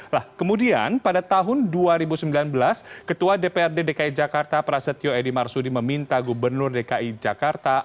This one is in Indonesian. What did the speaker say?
nah kemudian pada tahun dua ribu sembilan belas ketua dprd dki jakarta prasetyo edi marsudi meminta gubernur dki jakarta